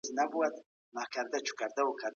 که ښوونکی مجازي مثال ورکړي، موضوع سخته نه ښکاري.